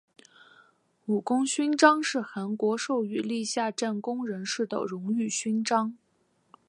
武功勋章是韩国授予立下战功人士的荣誉勋章。